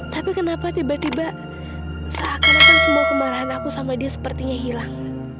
tapi kenapa tiba tiba seakan akan semua kemarahan aku sama dia sepertinya hilang